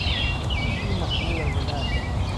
ههچی مهقبوڵه له لات